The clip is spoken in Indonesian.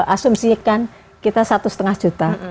asumsikan kita satu lima juta